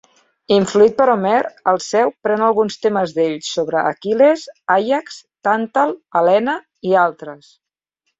Influït per Homer, Alceu pren alguns temes d'ell, sobre Aquil·les, Àiax, Tàntal, Helena, i altres.